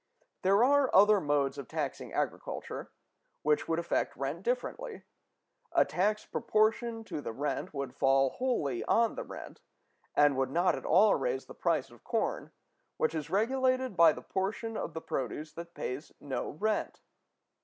There are other modes of taxing agriculture, which would affect rent differently. A tax proportioned to the rent would fall wholly on the rent, and would not at all raise the price of corn, which is regulated by the portion of the produce that pays no rent.